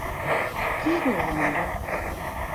কী করবো আমরা?